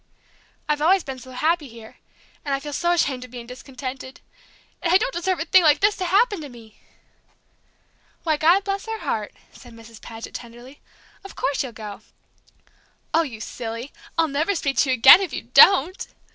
I've always been so happy here, and I feel so ashamed of being discontented, and I don't deserve a thing like this to happen to me!" "Why, God bless her heart!" said Mrs. Paget, tenderly, "of course you'll go!" "Oh, you silly! I'll never speak to you again if you don't!"